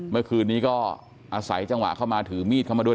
เมื่อคืนนี้ก็อาศัยจังหวะเข้ามาถือมีดเข้ามาด้วย